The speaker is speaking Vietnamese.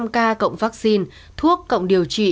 năm k cộng vaccine thuốc cộng điều trị